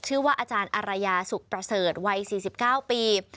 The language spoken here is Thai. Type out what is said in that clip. ชื่อว่าอาจารย์อารยาสุขประเสริฐวัย๔๙ปี